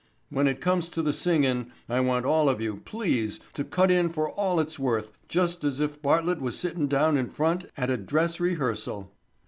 When it comes to the singin' I want all of you, please, to cut in for all it's worth just as if Bartlett was sittin' down in front at a dress rehearsal."